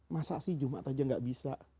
masa sih jumat aja gak bisa